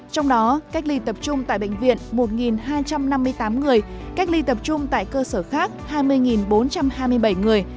trong đó cách ly tập trung tại bệnh viện một hai trăm năm mươi tám người cách ly tập trung tại cơ sở khác hai mươi bốn trăm hai mươi bảy người